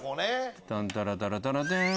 タンタラタラタラテン！